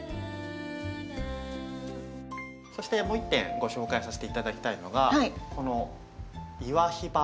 そしてもう１点ご紹介させて頂きたいのがこのイワヒバ。